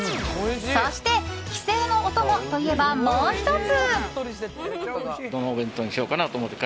そして、帰省のお供といえばもう１つ。